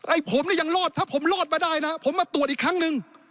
ผมเนี่ยยังรอดถ้าผมรอดมาได้นะผมมาตรวจอีกครั้งหนึ่ง